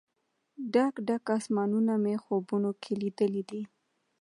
ډک، ډک اسمانونه مې خوبونو کې لیدلې دي